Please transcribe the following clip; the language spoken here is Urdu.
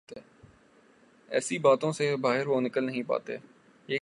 ایسی باتوں سے باہر وہ نکل نہیں پاتے۔